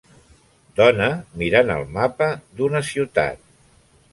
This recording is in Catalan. Dona mirant el mapa d'una ciutat.